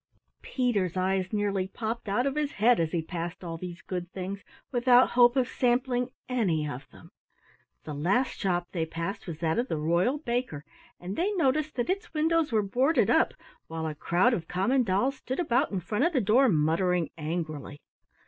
Peter's eyes nearly popped out of his head as he passed all these good things without hope of sampling any of them! The last shop they passed was that of the royal baker, and they noticed that its windows were boarded up, while a crowd of common dolls stood about in front of the door, muttering angrily.